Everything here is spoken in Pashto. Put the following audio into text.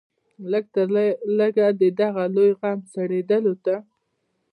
لږ تر لږه د دغه لوی غم سړېدلو ته.